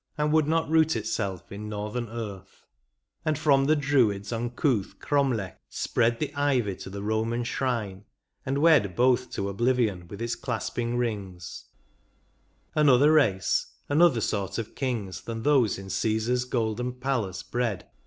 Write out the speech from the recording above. And would not root itself in northern earth ; And from the Druid's uncouth cromlech spread The ivy to the Eoman shrine, and wed Both to oblivion with its clasping rings ; Another race, another sort of kings Than those in CsBsar's golden palace bred.